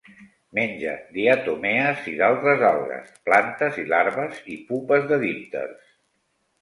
Menja diatomees i d'altres algues, plantes i larves i pupes de dípters.